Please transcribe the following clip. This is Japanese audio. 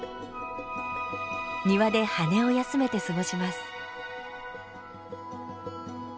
庭で羽を休めて過ごします。